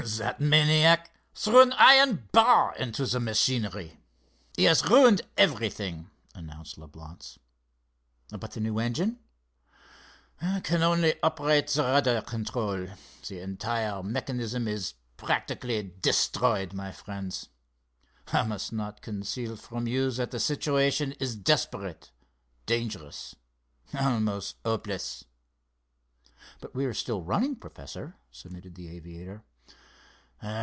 "That maniac threw an iron bar into the machinery. He has ruined everything," announced Leblance. "But the new engine?" "Can only operate the rudder control. The entire mechanism is practically destroyed, my friends. I must not conceal from you that the situation is desperate, dangerous, almost hopeless!" "But we are still running, Professor?" submitted the aviator.